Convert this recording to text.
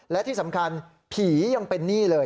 และที่สำคัญผียังเป็นหนี้เลย